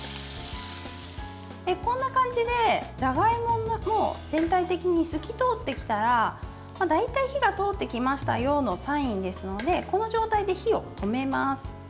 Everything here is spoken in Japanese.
こんな感じで、じゃがいもも全体的に透き通ってきたら大体、火が通ってきましたよのサインですのでこの状態で火を止めます。